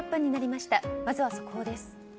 まずは速報です。